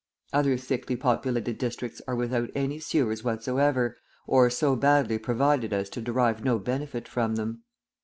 Other thickly populated districts are without any sewers whatsoever, or so badly provided as to derive no benefit from them.